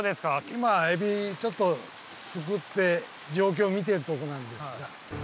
今エビちょっとすくって状況を見てるとこなんですが。